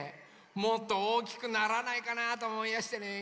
もっとおおきくならないかなとおもいやしてね。